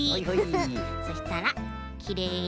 そしたらきれいにふく。